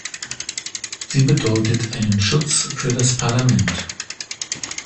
Sie bedeutet einen Schutz für das Parlament.